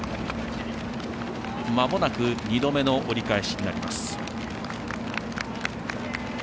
まもなく２度目の折り返しになります。